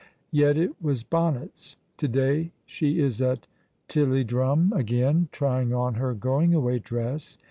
Yesterday it was bonnets; to day she is at Tilliedrum again, trying on her going away dress.